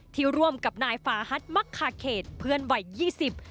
ร่วมกับนายฟาฮัทมักคาเขตเพื่อนวัยยี่สิบ